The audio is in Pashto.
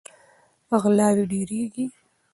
غلاوې ډیریږي.